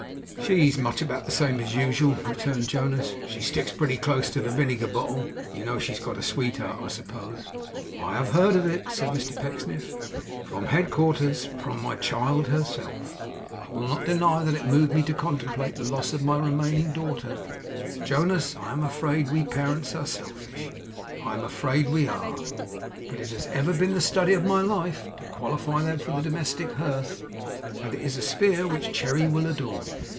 'She's much about the same as usual,' returned Jonas. 'She sticks pretty close to the vinegar bottle. You know she's got a sweetheart, I suppose?' 'I have heard of it,' said Mr Pecksniff, 'from headquarters; from my child herself I will not deny that it moved me to contemplate the loss of my remaining daughter, Jonas I am afraid we parents are selfish, I am afraid we are but it has ever been the study of my life to qualify them for the domestic hearth; and it is a sphere which Cherry will adorn.